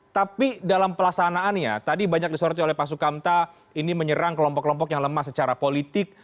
tapi dalam pelaksanaannya tadi banyak disoroti oleh pak sukamta ini menyerang kelompok kelompok yang lemah secara politik